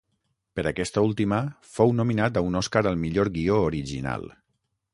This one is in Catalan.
Per aquesta última, fou nominat a un Oscar al millor guió original.